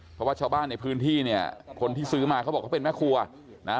เพราะว่าชาวบ้านในพื้นที่เนี่ยคนที่ซื้อมาเขาบอกเขาเป็นแม่ครัวนะฮะ